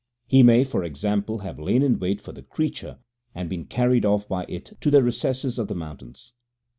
He may, for example, have lain in wait for the creature and been carried off by it into the recesses of the mountains.